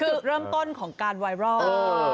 คือเริ่มต้นของการไวรอล